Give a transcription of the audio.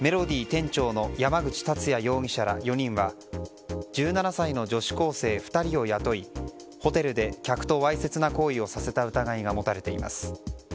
店長の山口達矢容疑者ら４人は１７歳の女子高生２人を雇い、ホテルで客とわいせつな行為をさせた疑いが持たれています。